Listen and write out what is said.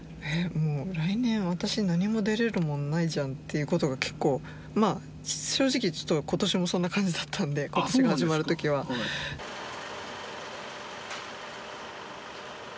もう来年私何も出れるもんないじゃんっていうことが結構まぁ正直ちょっと今年もそんな感じだったんであっそうなんですか